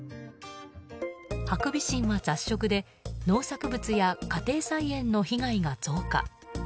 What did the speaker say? ハクビシンは雑食で農作物や家庭菜園の被害が増加。